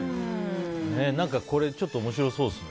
これちょっと面白そうですね。